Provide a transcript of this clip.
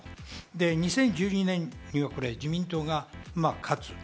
２０１２年には自民党が勝つ。